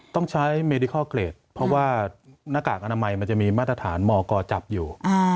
ต้องใช้เมดิคอลเกรดเพราะว่าหน้ากากอนามัยมันจะมีมาตรฐานมกจับอยู่